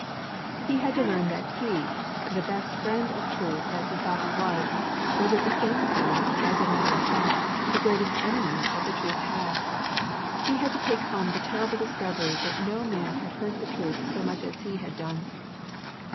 He had to learn that he, the best friend of truth as he thought he was, was at the same time, as a matter of fact, the greatest enemy that the truth had. He had to take home the terrible discovery that no man had hurt the truth so much as he had done.